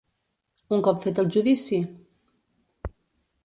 Un cop fet el judici?